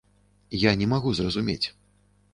Я не магу зразумець.